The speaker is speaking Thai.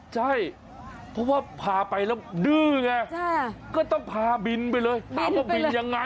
ใช่เพราะว่าพาไปแล้วดื้อไงก็ต้องพาบินไปเลยถามว่าบินยังไง